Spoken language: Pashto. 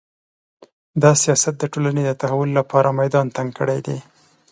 دا سیاست د ټولنې د تحول لپاره میدان تنګ کړی دی